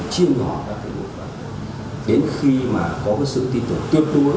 tin tưởng tuyết đuối